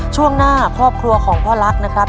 ช่วงหน้าครอบครัวของพ่อลักษณ์นะครับ